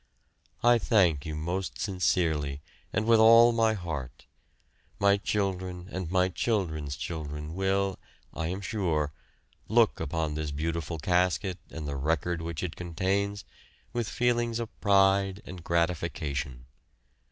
I thank you most sincerely and with all my heart; my children and my children's children will, I am sure, look upon this beautiful casket and the record which it contains with feelings of pride and gratification.